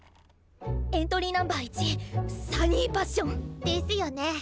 エントリーＮｏ．１サニーパッション。ですよね。